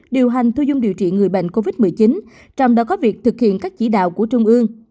điều hành thu dung điều trị người bệnh covid một mươi chín trong đó có việc thực hiện các chỉ đạo của trung ương